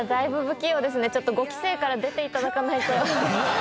ちょっと５期生から出ていただかないと。